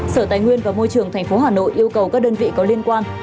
sở tài nguyên và môi trường tp hà nội yêu cầu các đơn vị có liên quan